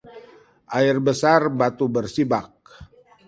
Air besar batu bersibak